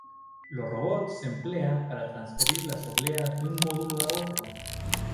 Los robots se emplean para transferir las obleas de un módulo a otro.